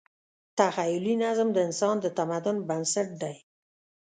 تخیلي نظم د انسان د تمدن بنسټ دی.